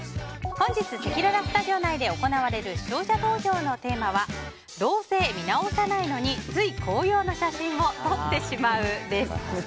本日、せきららスタジオ内で行われる視聴者投票のテーマはどうせ見直さないのに、つい紅葉の写真を撮ってしまうです。